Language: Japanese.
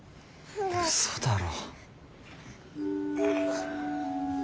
うそだろ。